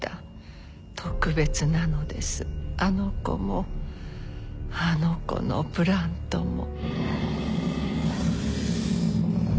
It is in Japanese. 特別なのですあの子もあの子のプラントも。